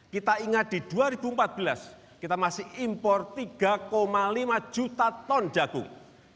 kita ingat di dua ribu empat belas kita masih impor tiga lima juta ton jagung